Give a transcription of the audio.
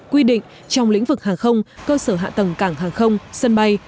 quy định trong lĩnh vực hàng không cơ sở hạ tầng cảng hàng không sân bay